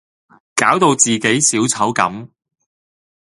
搞到自己小丑咁